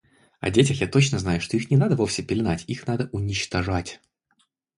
О детях я точно знаю, что их не надо вовсе пеленать, их надо уничтожать.